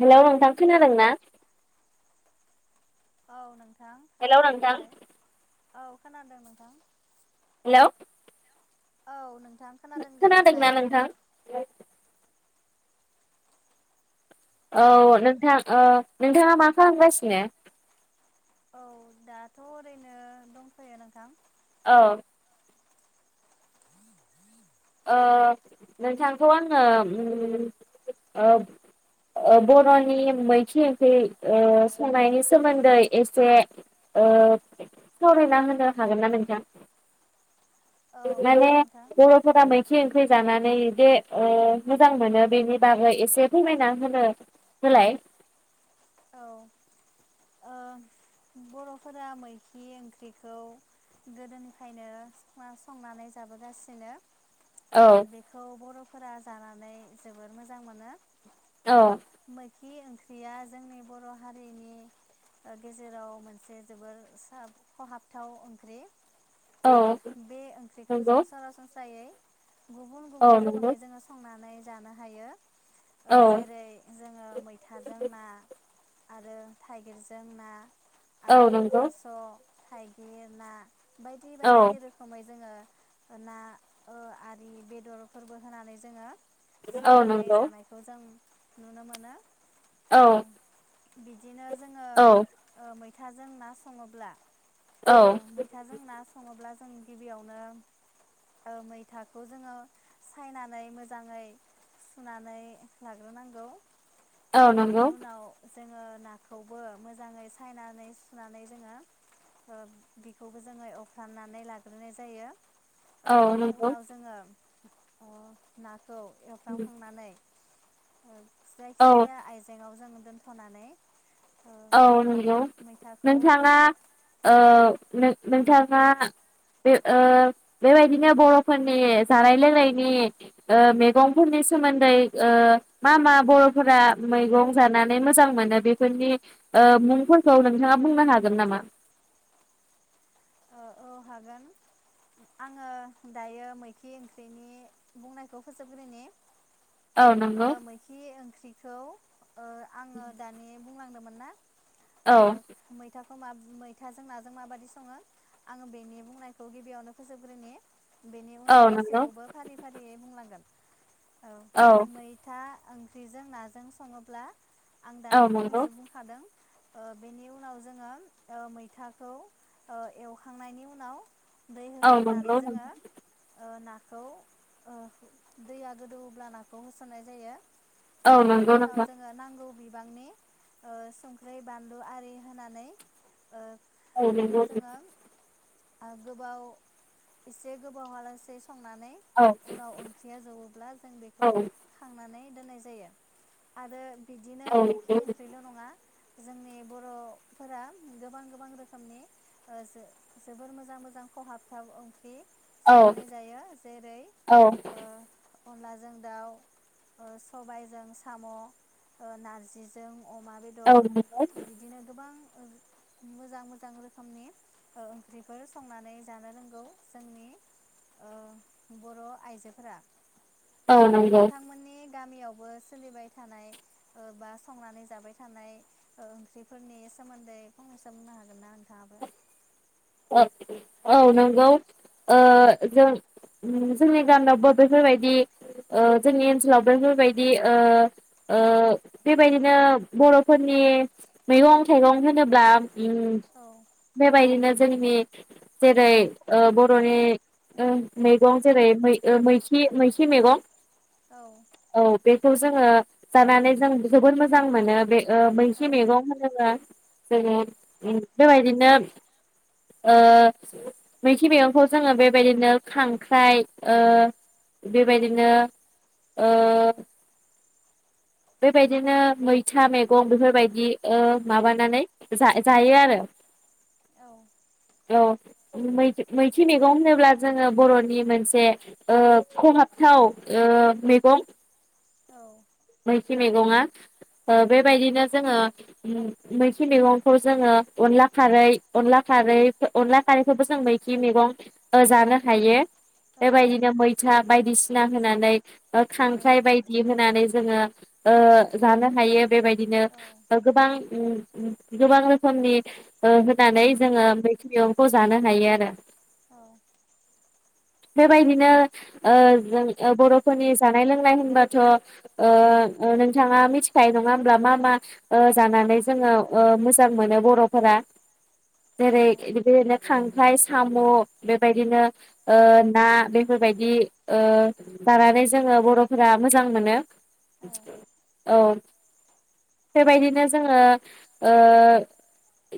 Hello नोंथां खोनादों ना? औ नों हेलौ नोंथां औ खोनादों नोंथां। हेल' औ नों थां खोनादों दे बुंलाय नोंथां हेलौ औ नोंथां ओ नोंथाङा मा खालामगासिनो? औ दाथ ओरैनो दंफैयो नोंथां। औ अ नोंथांखौ आङो उम अ बरनि मैख ओंख्रि संनायनि सोमोन्दै एसे ओ सावरायना होनो हागोन ना नोंथां? औ माने हागोन नोंथां बर'फोरा मैखि ओं खै जानानै दे ओ मोजां मोनो बेनि बागै एसे फोरमायना होनो होलाय। औ ओ बरफोरा मैखि ओंख्रिखौ गोदोनिफ्रायनो संनानै जाबोगासिनो। औ बेखौ बर'। फोरा जानानै जोबोर मोजां मोनो। औ। खि ओंख्रिया जोंनि बर' हारिनि गेजेराव मोनसे। एसे जोबोर सोब खहाबथाव ओंख्रि। औ बे ओंख्रिखौ नंगौ जों सरासनस्रायै। गुबुन औ गुबुन नंगौ रोखोमै जोङो संनानै। जानो हायो। औ जेरै जोङो मैथाजों ना। आरो थाइगिरजों ना। औ आरो नंगौ थास। थाइगिर ना। बायदि औ बायदि रोखोमै जोङो। ना आरि बेदरफोरबो होनानै जोङो। औ संनानै नंगौ जानायखौ जों। नुनो मानो। औ। [unintelligible] बिदिनो जोङो औ मै थाजों ना सङोब्ला। ओ औ मैथाजों ना सङोब्ला। जों गिबियावनो मैथाखौ जोङो सायनानै मोजाङै सुनानै लाग्रोनांगौ। औ बेनि नंगौ उनाव। जोङो नाखौबो मोजाङै सायना। नै सुनानै जोङो बेखौबो जोङो एवफ्रामनानै लाग्रोनाय जायो। औ बेनि नंगौ उनाव जोङो। अ ना। खौ एवफ्रामखांनानै। ओं। औ जायखिजाया आयजेंआव जों। दोनथनानै ओ औ नंगौ मैथाखौ नोंथाङा ओ नोंथाङा बे ओ बेबायदिनो बरफोरनि जानाय लोंनायनि ओ मेगंफोरनि सोमोन्दै ओ मा मा बरफोरा मैगं जानानै मोजां मोनो बेफोरनि ओ मुंफोरखौ नोंथाङा बुंनो हागोन नामा? औ हागोन आङो दायो मैखि ओंख्रिनि बुंनायखौ फोजोबग्रोनि औ नंगौ ओ मैखि ओंख्रि औ ओ आङो दानि बुंलांदोमोन ना औ ओ मैथा मा मैथाजों नाजों माबायदि सङो आङो बेनि बुंनायखौ गिबियावनो फोजोबग्रोनि बेनि औ उनाव नंगौ गासैखौबो फारि फारियै बुंलांगोन औ मैथा ओंख्रिजों नाजों सङोब्ला आं औ दानि नंगौ फंनैसो बुंखादों ओ बेनि उनाव जोङो ओ मैथाखौ ओ एवखांनायनि उनाव दै औ होखांनानै नंगौ जोङो नोंथां ओ ना खौ ओ दैया गोदौब्ला नाखौ होसननाय जायो औ बेनि नंगौ नोंथां उनाव जोङो नांगौ बि बांनि ओ संख्रै बानलु आरि होनानै औ नं खौ जोङो ओ गोबाव एसे गोबाव हालासेै संनानै औ उनाव ओंख्रिया जबोब्ला जों बेखौ खांनानै दोननाय जायो आरो बिदिनो औ मैखि ओंख्रिल नङा जोंनि बर'फोरा गोबां गोबां रोखोमनि ओ जो जोबोर मोजां मोजां खहाबथाव ओंख्रि औ संनानै जायो जेरै औ ओ अनलाजों दाउ ओ सबायजों साम ओ नारजिजों अमा औ बेदर नंगौ बिदिनो गोबां मोजां मोजां रो रोखोमनि ओ ओंख्रिफोर संनानै जानो रोंगौ जोंनि ओ बरआइजोफोरा औ नंगौ नोंथांमोननि गामियावबो सोलिबाय थानाय ओ बा संनानै जाबाय थानाय ओ ओंख्रिफोरनि सोमोन्दै फंनैसो बुंनो हागोन ना? थाबो [unintelligible] औ नंगौ ओ जों जोंनि गामियावबो बेफोरबायदि ओ जोंनि ओनसोलाव बेफोरबायदि ओ ओ बेबायदिनो बरफोरनि मैगं थाइगं होनोब्ला उम औ बेबायदिनो जोंनि जेरै ओ बरनि उम मैगं जेरैै मै ओ मैखि मैखि मेगं औ खौ जोङो जानानै जों जोबोद मोजां मोनो बे ओ औ मैसे मैगं होनोबा जोङो बेबायदिनो ओ मैथि मैगंखौ जोङो बेबायदिनो खांख्राइ ओ बेबायदिनो ओ बेबायदिनो मैथा मेगं बेफोरबायदि ओ माबानानै जा जायो आरो औ औ मै मैथि मेगं होनोब्ला जोङो बरनि मोनसे ओ खहाबथाव ओ मेगं औ मैखि मेगङा बेबायदिनो जोङो उम मैखि मैगंखौ जोङो अनला खारै अनला खारै अनला खारैखौबो जों मैखि मैगं ओ जानो हायो। औ बेबायदिनो मैथा बायदिसिना होनानै औ खांख्राय बायदि होनानै जोङो ओ जानो हायो बेबाय दिनो बाव गोबां उम उम गोबां रोखोमनि ओ होनानै जोङो मैखि मैगंखौ जानो हायो आरो औ बेबायदिनो ओ जों बरफोरनि जानाय लोंनाय होनबाथ ओ ओ नोंथाङा मिथिखायो नङा होमब्ला मा मा ओ जानानै जोङो ओ मोजां मोनो बरफोरा? जेरै बेबादिनो खां ओमफ्राय साम बेबायदिनो ओ ना बेफोरबायदि ओ जानानै जोङो बरफोरा मोजां मोनो। औ बेबायदिनो जोङो ओ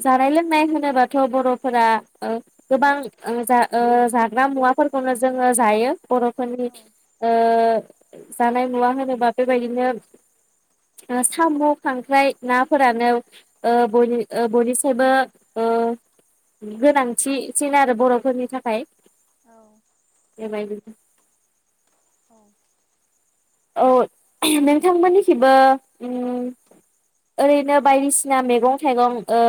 जानाय लोंनाय होनोबाथ बरफोराओ गोबां ओ ओ जाग्रा मुवाफोरखौनो जोङो जायो बरफोरनि ओ जानाय मुवा होनोबा बेबायदिनो ओ सामु खांख्राइ नाफोरानो ओ बयनि ओ बयनिसायबो ओ गोनांथि सिन आरो बरफोरनि थाखाय औ [unintelligible] औ औ उम नोंथांमोननिखिबो उम ओरैनो बायदिसिना मेगं थाइगं ओ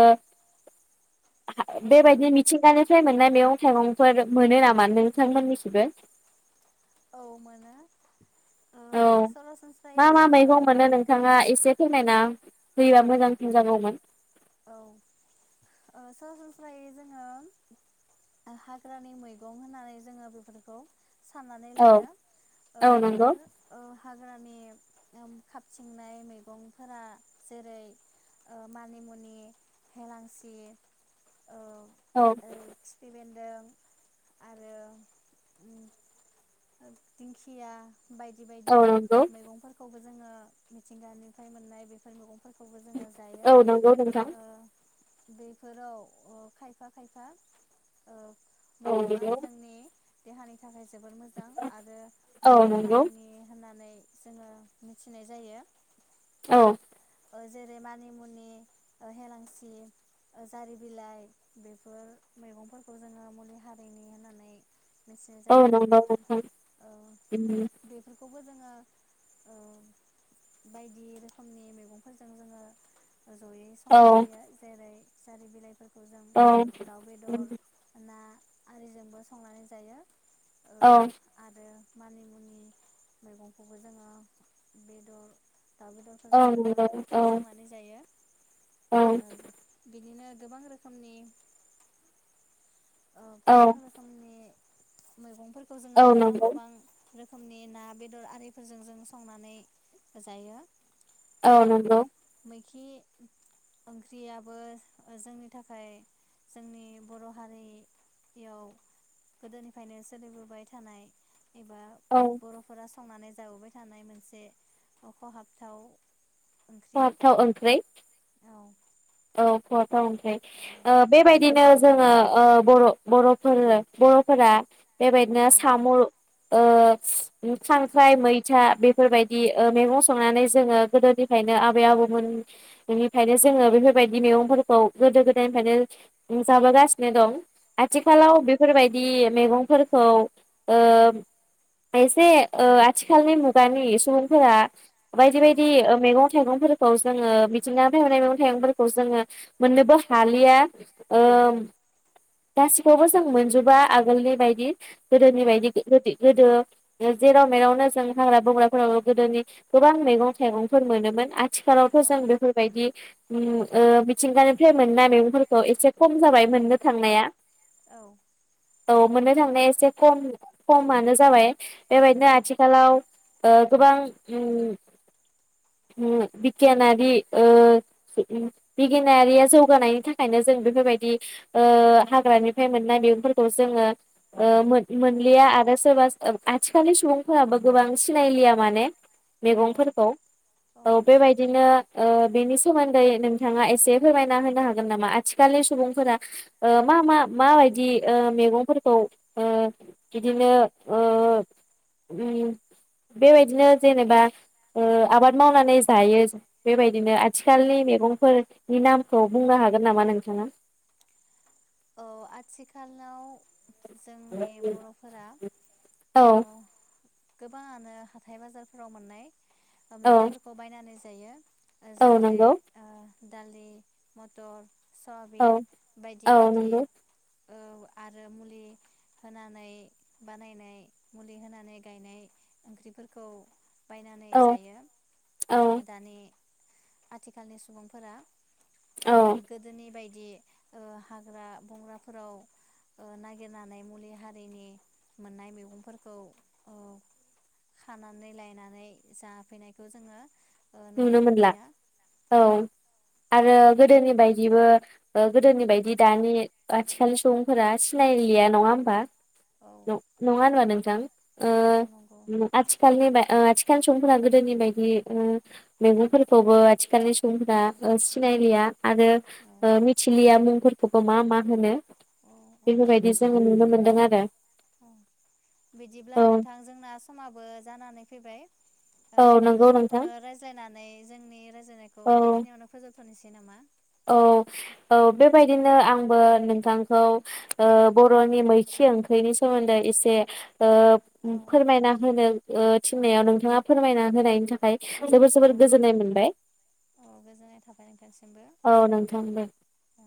[unintelligible] औ औ औ बेबायदि मिथिंगानिफ्राय मोननाय मेगं थाइगंफोर मोनो नामा नोंथांमोननिखिबो? औ मोनो। ओ औ मा सरासनस्रायै मा जोङो मैगं औ मोनो नोंथांङा एसे फैनायना होयोबा मोजांसिन जागौमोन। औ ओ सरासनस्रायै जोंङो हाग्रानि मैगं होननानै जोंङो बेफोरखौ साननानै औ लायो ओ औ नंगौ बेफोर ओ हाग्रानि ओम खाबथिंनाय मैगंफोरा जेरै ओ मानिमुनि नि हेलांसि औ दों आरो उम दिंखिया बायदि बायदि औ नंगौ मैगंफोरखौबो जोंङो मिथिंगानिफ्राय मोननाय बेफोर मैगं औ नंगौ नोंथां बैफोराव ओ खायफा खायफा ओ औ मैगंआ नंगौ जोंनि देहानि थाखाय जोबोर मोजां आरो औ मुलि नंगौ हारिनि होननानै जोंङो मिथिनाय जायो औ ओ जेरै मानिमुनि ओ हेलांसि ओ जारि बिलाइ बेफोर मैगंफोरखौ जोंङो मुलि हारिनि होननानै मिथिनाय औ जायो नंगौ नोंथां ओ बेफोरखौबो जोंङो ओ बायदि रोखोमनि मैगं फोरजों जोंङो जयै औ संनाय जायो जेरै जारि बिलाइफोर खौ जों औ दाउ बेदर ना आरिजोंबो संनानै जायो औ यो मानिमुनि मैगंखौबो जोंङो बेदर दाउ बेदरफोरजों औ जङो नंगौ औ संनानै जायो औ ओ बिदिनो गोबां रोखोमनि ओ औ गोबां रोखोमनि मैगं फोरखौ औ जोंङो गोबां नंगौ गोबां रोखोमनि ना बेदर आरिफोरजों जों संनानै जायो। औ नंगौ खि ओंख्रियाबो ओ जोंनि थाखाय जोंनि बर हारि याव गोदोनिफ्रायनो सोलिबोबाय थानाय एबा औ बरफोरा संनानै जाबोबाय थानाय मोनसे अखहाबथाव अरथ ओंख्रै औ औ खत औ ओंखै औ ओ बेबायदिनो जोंङो ओ बर बरफोर बरफोरा बेबायदिनो औ साम ओ खांख्राइ मैथा बेफोरबायदि मैगं संनानै जोंङो गोदोनिफायनो आबै आबौमोन निफायनो जोंङो बेफोर बे बायदि मैगंफोरखौ गोदो गोदायनिफ्रायनो जाबोगासिनो दं औ आथिखालाव बेफोरबायदि मैगंफोरखौ ओ एसे आथिखालनि मुगानि सुबुंफोरा बायदि औ बायदि मैगं थाइगंफोरखौ जोंङो मिथिनानै मोननाय मैगं थाइगंफोरखौ जोंङो मोनानोबो हालिया ओ औ गासिखौबो जों मोनजोबा आगोलनि बायदि गोदोनि औ बायदि गो गोदो जेराव मेरावनो जों हाग्रा बंग्राफोराव गोदोनि गोबां मैगं थाइगंफोर मोनोमोन आथिखालावथ जों बेफोरबायदि उम ओ मिथिंगानिफ्राय मोनाय मैगंफोरखौ एसे खम जाबाय मोननो थांनाया औ औ मोननो थांनाया एसे खम खमानो जाबाय बेबायदिनो आथिखालाव ओ गोबां उम उम बिगियानारिओ बिगियारिया जौगानायनि थाखायनो जों बेफोरबायदि ओ हाग्रानिफ्राय मोननाय मैगंफोरखौ जोंङो ओ मोन मोनलिया आरो सोरबा सो आथिखालनि सुबुंफोराबो गोबां सिनायलिया माने औ मैगंफोरखौ औ बेबायदिनो ओ बेनि सोमन्दै नों थांङा एसे फोरमायना होनो हागोन नामा आथिखालनि सुबुंफोरा ओ मा मा माबायदि ओ मैगंफोरखौ ओ बिदिनो ओ उम बेबायदिनो जेनेबा ओ आबाद मावनानै जायो बेबायदिनो आथिखालनि मेगं फोरनि नामखौ बुंनो हागोन नामा नोंथांङा औ आथिखालाव जोंनि बरफोरा औ गोबांङानो हाथाय बाजारफोराव मोननाय ओ औ मैगंफोरखौ बायनानै जायो ओ औ जेरै नंगौ ओ दालि मटर औ सुवाबिन बायदि औ बायदि नंगौ औ आरो मुलि होनानै बानायनाय मुलि होनानै गायनाय ओंख्रिफोरखौ बायनानै औ जायो औ दानि आथिखालनि सुबुंफोरा औ गोदोनि बायदि दि ओ हाग्रा बंग्राफोराव ओ नागिरनानै मुलि हारिनि मोननाय मैगंफोरखौ ओ खानानै लायनानै जाफैनायखौ जोङो नुनो मोनलिया औ आरो गोदोनि बायदिबो ओ गोदोनि बायदि दानि आथिखालनि सुबुंफोरा सिनायलिया नङा होनबा औ न नङा होनबा नों औ नंगौ [unintelligible] ओ आथिखालनि बाय ओ आथिखाल सुबुंफोरा गोदोनि बायदि ओ मैहुरफोरखौबो आथिखालनि सुबुं औ ओ सिनायलिया आरो औ मिथिलियाबो फोरखौबो मा मा होनो औ बेफोरबायदि जोङो नुनो मोनदों आरो बिदिब्ला औ नोंथां जोंना समाबो जानानै फैबाय ओ औ नंगौ नोंथां बेखिनिखौनो रायज्लायनानै जोंनि रायज्लाय खौ औ बेखिनियावनो फोजोब थनोसै नामा? औ औ बेबायदिनो आंबो नोंथांखौ ओ बर'नि मैखि ओंख्रिनि सोमोन्दै एसे ओ औ फोरमायना होनो ओ थिननायाव नोंथाङा फोरमायना होनायनि थाखाय जोबोर जोबोर औ गोजोननाय मोनबाय औ गोजोननाय थाबाय नोंथांसिमबो औ नोंथां दे औ